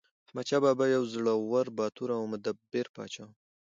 احمدشاه بابا یو زړور، باتور او مدبر پاچا و.